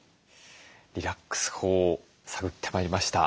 リラックス法を探ってまいりました。